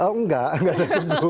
oh enggak enggak lagi ditunggu